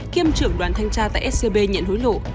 kiêm trưởng đoàn thanh tra tại scb nhận hối lộ